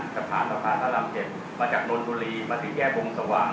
จะผ่านสะพานทะลำเจ็บมาจากนนดุรีมาที่แยกวงสว่าง